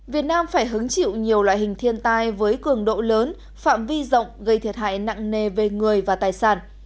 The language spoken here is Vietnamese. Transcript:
việt nam phải hứng chịu nhiều loại hình thiên tai với cường độ lớn phạm vi rộng gây thiệt hại nặng nề về người và tài sản